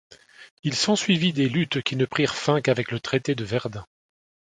Il s'ensuivit des luttes qui ne prirent fin qu'avec le traité de Verdun.